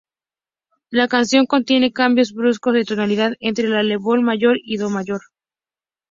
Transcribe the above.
La canción contiene cambios bruscos de tonalidad entre la bemol mayor y do mayor.